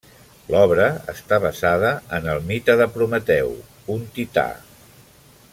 L'obra està basada en el mite de Prometeu, un tità.